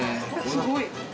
すごい。